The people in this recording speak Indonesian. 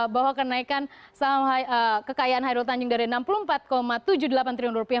bahwa kenaikan kekayaan hairul tanjung dari enam puluh empat tujuh puluh delapan triliun rupiah